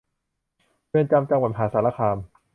เรือนจำจังหวัดมหาสารคาม